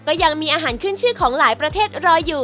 ก็ยังมีอาหารขึ้นชื่อของหลายประเทศรออยู่